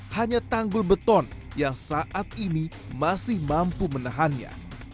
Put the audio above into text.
hanya tanggul beton yang saat ini masih mampu menahannya